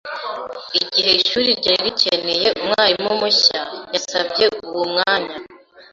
Igihe ishuri ryari rikeneye umwarimu mushya, yasabye uwo mwanya.